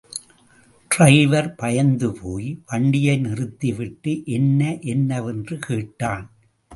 Driver பயந்து போய் வண்டியைநிறுத்திவிட்டு என்ன என்னவென்று கேட்டான்.